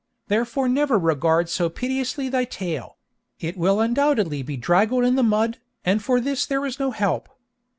Therefore never regard so piteously thy tail; it will undoubtedly be draggled in the mud, and for this there is no help.